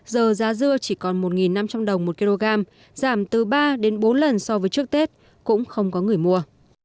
giờ giá dưa chỉ còn một năm trăm linh đồng một kg giảm từ ba đến bốn lần so với trước tết cũng không có người mua